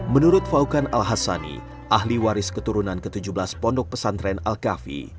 menurut fawkan al hassani ahli waris keturunan ke tujuh belas pondok pesantren alkafi